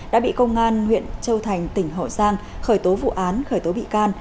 đã bị công an huyện châu thành tỉnh hậu giang khởi tố vụ án khởi tố bị can